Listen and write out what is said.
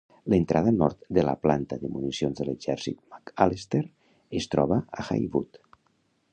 L'entrada nord de la Planta de Municions de l'exèrcit McAlester es troba a Haywood.